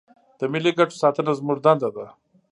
د ملي ګټو ساتنه زموږ دنده ده.